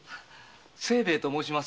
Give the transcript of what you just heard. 清兵衛と申します。